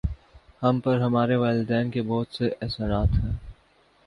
ہم پر ہمارے والدین کے بہت سے احسانات ہیں